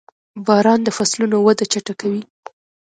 • باران د فصلونو وده چټکوي.